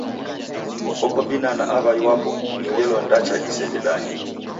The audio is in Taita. Koko binana aw'ai wapo ni ngelo ndacha disededanye?